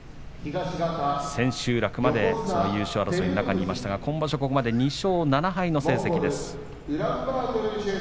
千秋楽までその優勝争いの中にいましたが今場所はここまで２勝７敗の成績です。